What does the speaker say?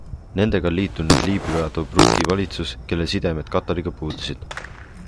Nendega on liitunud Liibüa Tobruki valitsus, kellel sidemed Katariga puudusid.